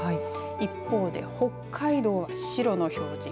一方で北海道は白の表示。